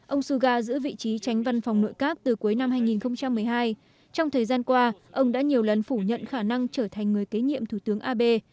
ông suga giữ vị trí tránh văn phòng nội các từ cuối năm hai nghìn một mươi hai trong thời gian qua ông đã nhiều lần phủ nhận khả năng trở thành người kế nhiệm thủ tướng abe